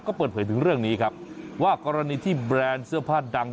ก็เปิดเผยถึงเรื่องนี้ครับว่ากรณีที่แบรนด์เสื้อผ้าดัง